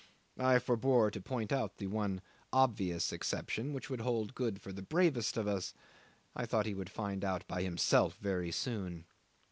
I forbore to point out the one obvious exception which would hold good for the bravest of us; I thought he would find out by himself very soon.